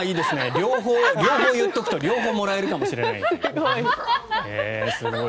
両方言っておくと両方もらえるかもしれない。